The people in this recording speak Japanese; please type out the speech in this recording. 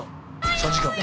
３時間。